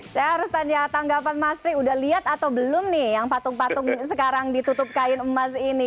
saya harus tanya tanggapan mas pri udah lihat atau belum nih yang patung patung sekarang ditutup kain emas ini